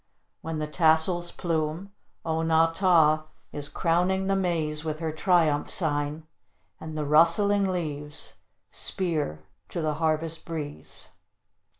When the tassels plume, O na tah is crowning the maize with her triumph sign, and the rustling leaves spear to the harvest breeze.